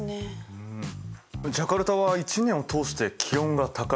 うんジャカルタは一年を通して気温が高い。